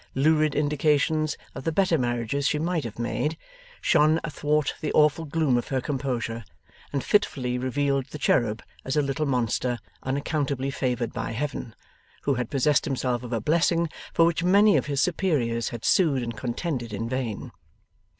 Lurid indications of the better marriages she might have made, shone athwart the awful gloom of her composure, and fitfully revealed the cherub as a little monster unaccountably favoured by Heaven, who had possessed himself of a blessing for which many of his superiors had sued and contended in vain.